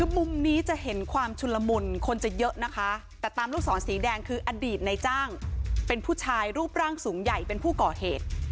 มุมนี้จะเห็นความชุนละมุนคนจะเยอะนะคะแต่ตามลูกศรสีแดงคืออดีตในจ้างเป็นผู้ชายรูปร่างสูงใหญ่เป็นผู้ก่อเหตุ